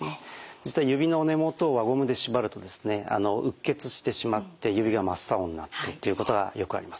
実は指の根元を輪ゴムでしばるとうっ血してしまって指が真っ青になってっていうことがよくあります。